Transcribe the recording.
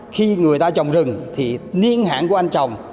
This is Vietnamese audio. khi người ta trồng rừng thì niên hạn của anh trồng